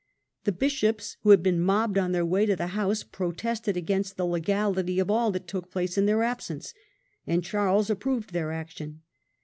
The bishops, who had been mobbed on their way to the House, protested against the legality of all that took place in their absence, and Charles approved their action.